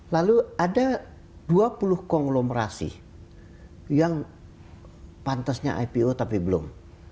lalu ada dua puluh konglomerasi yang pantasnya ipo tapi belum